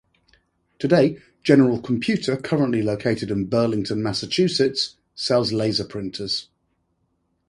Today, General Computer, currently located in Burlington, Massachusetts, sells laser printers.